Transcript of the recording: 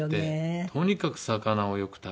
とにかく魚をよく食べて。